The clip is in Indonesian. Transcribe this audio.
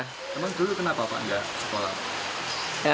emang dulu kenapa pak enggak sekolah